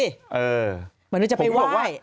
เหมือนจะไปไหว้